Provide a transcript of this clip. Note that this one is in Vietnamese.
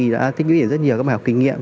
đã tiêu diệt rất nhiều các bài học kinh nghiệm